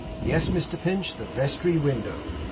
'Yes, Mr Pinch, the vestry window.